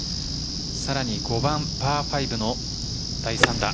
さらに５番パー５の第３打。